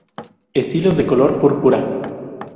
Estilos de color púrpura.